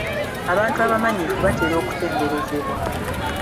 Abantu abamanyifu batera okutenderezebwa.